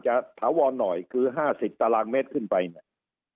จะถาวนหน่อยคือห้าสิบตารางเมตรขึ้นไปเนี่ย